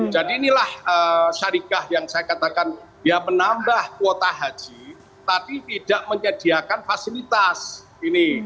jadi inilah syarikat yang saya katakan ya menambah kuota haji tapi tidak menyediakan fasilitas ini